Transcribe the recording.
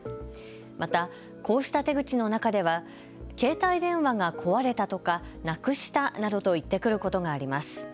また、こうした手口の中では携帯電話が壊れたとかなくしたなどと言ってくることがあります。